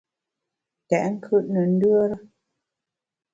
Tèt nkùt ne ndùere.